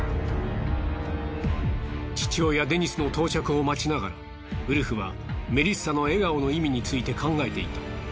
父親デニスの到着を待ちながらウルフはメリッサの笑顔の意味について考えていた。